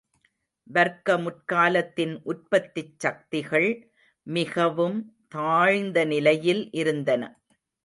வர்க்க முற்காலத்தின் உற்பத்திச் சக்திகள் மிகவும் தாழ்ந்த நிலையில் இருந்தன.